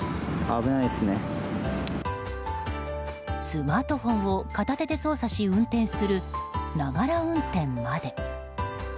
スマートフォンを片手で操作し、運転するながら運転まで。